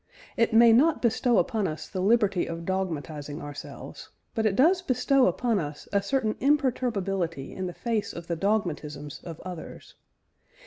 It may not bestow upon us the liberty of dogmatising ourselves, but it does bestow upon us a certain imperturbability in the face of the dogmatisms of others.